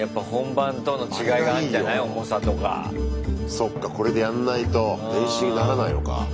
そっかこれでやんないと練習にならないのか。